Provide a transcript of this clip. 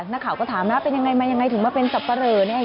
นักข่าวก็ถามนะเป็นยังไงมายังไงถึงมาเป็นสับปะเหลอเนี่ย